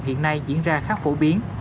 hiện nay diễn ra khác phổ biến